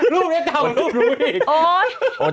รูปนี้เก่ากับรูปหนูอีก